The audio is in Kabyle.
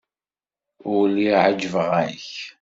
Ur lliɣ ɛejbeɣ-ak.